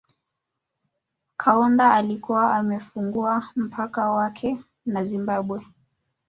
Kaunda alikuwa amefungua mpaka wake na Zimbabwe